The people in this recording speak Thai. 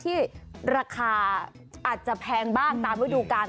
ที่ราคาอาจจะแพงบ้างตามฤดูกาล